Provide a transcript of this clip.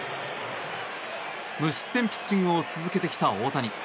無失点ピッチングを続けてきた大谷。